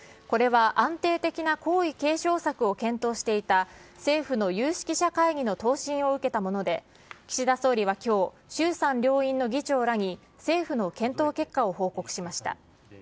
これは安定的な皇位継承策を検討していた政府の有識者会議の答申を受けたもので、岸田総理はきょう、衆参両院の議長らに政府の検討結果を報告しました。